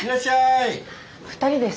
二人です。